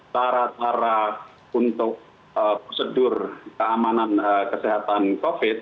cara cara untuk prosedur keamanan kesehatan covid